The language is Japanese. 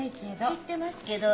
知ってますけど。